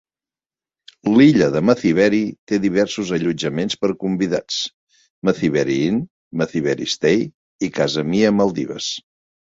L'illa de Mathiveri té diversos allotjaments per a convidats: Mathiveri Inn, Mathiveri Stay i Casa Mia Maldives.